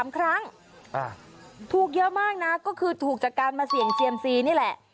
๓ครั้งถูกเยอะมากนะก็คือถูกจากการมาเสี่ยงเซียมซีนี่แหละ